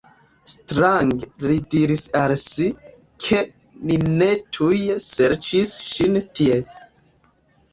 Strange, li diris al si, ke ni ne tuj serĉis ŝin tie.